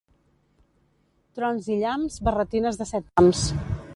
Trons i llamps, barretines de set pams.